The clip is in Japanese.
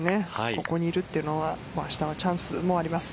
ここにいるというのは明日はチャンスもあります。